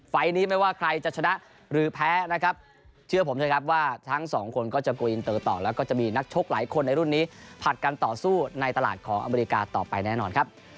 นี้ไม่ว่าใครจะชนะหรือแพ้นะครับเชื่อผมเถอะครับว่าทั้งสองคนก็จะโกอินเตอร์ต่อแล้วก็จะมีนักชกหลายคนในรุ่นนี้ผลัดกันต่อสู้ในตลาดของอเมริกาต่อไปแน่นอนครับ